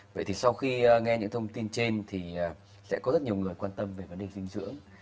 vậy thì sau khi nghe những thông tin trên thì sẽ có rất nhiều người quan tâm về vấn đề dinh dưỡng